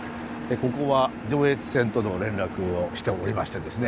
ここは上越線との連絡をしておりましてですね